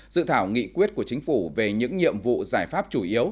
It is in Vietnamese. dự thảo nghị quyết của chính phủ về những nhiệm vụ giải pháp chủ yếu